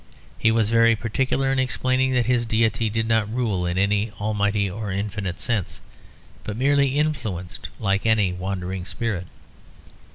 He was very particular in explaining that his deity did not rule in any almighty or infinite sense; but merely influenced, like any wandering spirit.